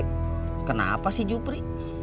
kenapa si jupri